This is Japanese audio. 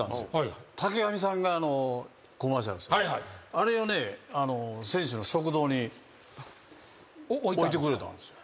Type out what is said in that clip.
あれをね選手の食堂に置いてくれたんですよ。